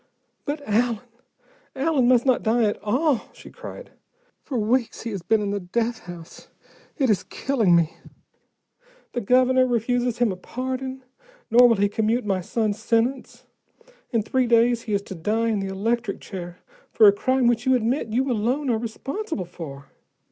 "But Allen Allen must not die at all!" she cried. "For weeks he has been in the death house: it is killing me. The Governor refuses him a pardon, nor will he commute my son's sentence. In three days he is to die in the electric chair, for a crime which you admit you alone are responsible for.